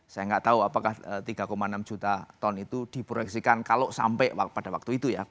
saya nggak tahu apakah tiga enam juta ton itu diproyeksikan kalau sampai pada waktu itu ya